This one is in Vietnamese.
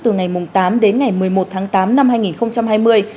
từ ngày tám đến ngày một mươi một tháng tám năm hai nghìn hai mươi